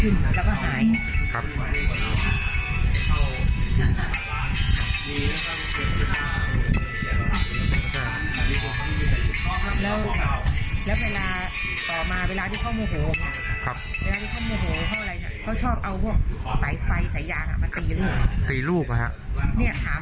นี่ถามลูกได้เลย